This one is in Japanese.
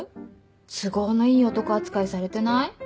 都合のいい男扱いされてない？